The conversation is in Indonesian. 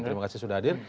terima kasih sudah hadir